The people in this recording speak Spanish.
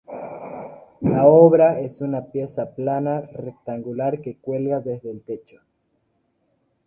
La obra es una pieza plana rectangular que cuelga desde el techo.